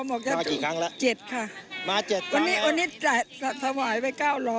มา๗ครั้งแล้ววันนี้วันนี้ถ่วายไป๙๐๐